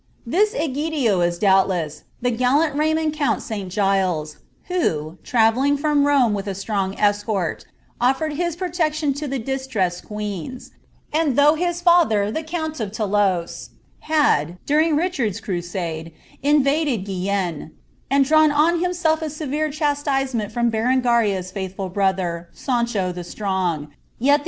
This Egidio is doubtless the gallant Raymond count St. GiUea, who, travelling from Rome with a strong escort, olTered his protection U tat distressed queens; and though his lather, the count of ThoulooMS hal, dnring Richards crusade, invaded Guienne, and drawn on himsrif * severe chastisement from Berengaria's faithful brother, Saneho the Smiif, BRENGARIA Op NAVABBE.